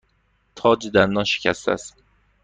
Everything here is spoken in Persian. تاج دندان شکسته است.